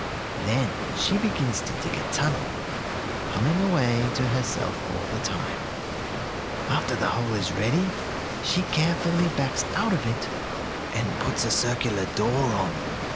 Then she begins to dig a tunnel, humming away to herself all the time. After the hole is ready she very carefully backs out of it and puts a circular door on.